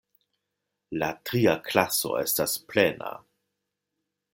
La tria klaso estas plena.